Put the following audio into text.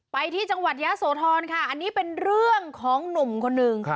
ไปที่จังหวัดยะโสธรค่ะอันนี้เป็นเรื่องของหนุ่มคนหนึ่ง